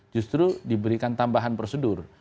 justru diberikan tambahan prosedur